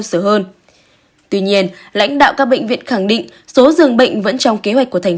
sớm hơn tuy nhiên lãnh đạo các bệnh viện khẳng định số dường bệnh vẫn trong kế hoạch của thành